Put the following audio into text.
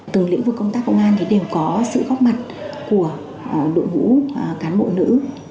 từng lĩnh vực công tác công an đều có sự góc mặt của đội ngũ cán bộ nữ